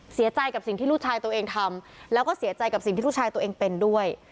เสียใจกับสิ่งที่ลูกชายตัวเองทำแล้วก็เสียใจกับสิ่งที่ลูกชายตัวเองเป็นด้วย